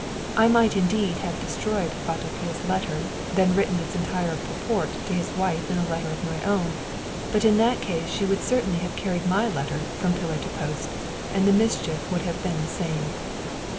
I might indeed have destroyed Kvatopil's letter, then written its entire purport to his wife in a letter of my own, but in that case she would certainly have carried my letter from pillar to post, and the mischief would have been the same.